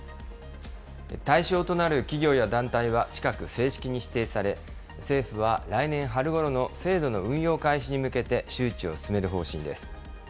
対象となる企業や団体は、近く正式に指定され、政府は来年春ごろの制度の運用開始に向けて周知を進める方針です。